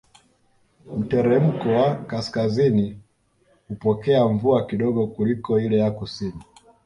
Mteremko wa kaskazini hupokea mvua kidogo kuliko ile ya kusini